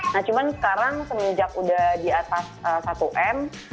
nah cuman sekarang semenjak udah di atas satu m